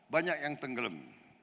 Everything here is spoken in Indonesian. banyak yang tenggelam